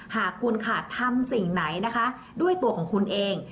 หากคุณค่ะทำสิ่งไหนนะคะด้วยตัวของคุณเอง